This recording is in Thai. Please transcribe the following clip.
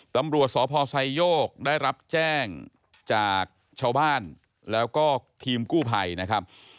ตำรวจสพไซโยกได้รับแจ้งจากชาวบ้านแล้วก็ทีมกู้ภัยนะครับ